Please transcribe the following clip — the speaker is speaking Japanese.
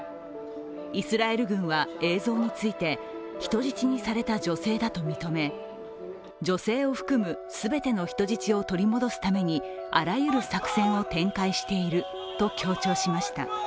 イスラエル軍は映像について、人質にされた女性だと認め女性を含む全ての人質を取り戻すためにあらゆる作戦を展開していると強調しました。